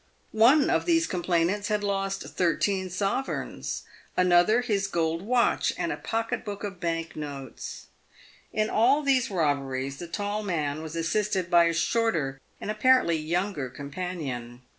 One of these complain ants had lost thirteen sovereigns, another his gold watch and a pocket book of bank notes. In all these robberies the tall man was assisted by a shorter and apparently younger companion.